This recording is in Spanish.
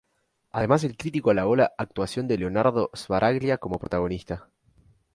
Además el crítico alabó la actuación de Leonardo Sbaraglia como protagonista.